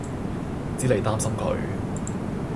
知你擔心佢